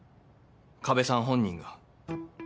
加部さん本人が。